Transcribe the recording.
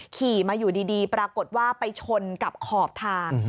ขี่มาอยู่ดีปรากฏว่าไปชนกับขอบทาง